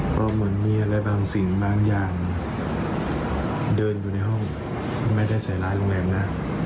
ก็เหมือนมีอะไรบางสิ่งบางอย่างเดินอยู่ในห้องไม่ได้ใส่ร้ายโรงแรมนะ